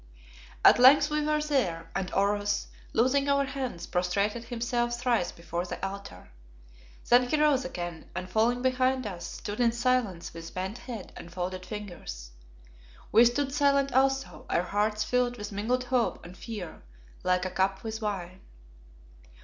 At length we were there, and, Oros, loosing our hands, prostrated himself thrice before the altar. Then he rose again, and, falling behind us, stood in silence with bent head and folded fingers. We stood silent also, our hearts filled with mingled hope and fear like a cup with wine.